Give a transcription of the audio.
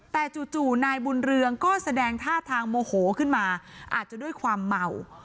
แต่จู่นายบุญเรืองก็แสดงท่าทางโมโหขึ้นมาอาจจะด้วยความเมา